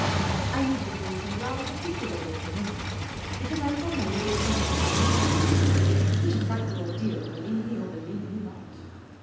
I needed a bracer rather particularly at the moment, because I was on my way to lunch with my Aunt Agatha, A pretty frightful ordeal, believe me or lietieve me not.